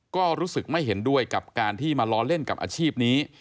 ก็รู้สึกไม่เห็นด้วยกับการที่มาล้อเล่นกับอาชีพนี้